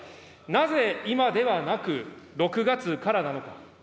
なぜ今ではなく、６月からなのか。